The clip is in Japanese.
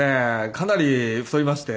かなり太りまして。